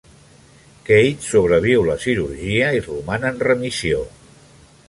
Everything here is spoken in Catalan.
Kate sobreviu la cirurgia i roman en remissió.